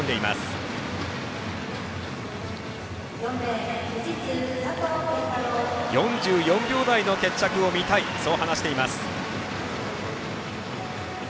佐藤拳太郎、４４秒台の決着を見たいと話しています。